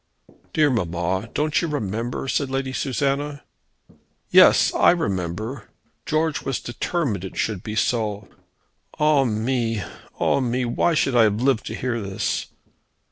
"Dear mamma, don't you remember?" said Lady Susanna. "Yes; I remember. George was determined it should be so. Ah me! ah me! Why should I have lived to hear this!"